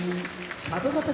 佐渡ヶ嶽